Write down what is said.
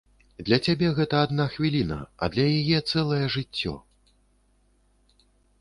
Для цябе гэта адна хвіліна, а для яе цэлае жыццё.